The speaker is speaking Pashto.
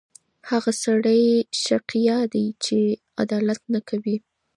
هغه سړی شقیه دی چې عدالت نه کوي.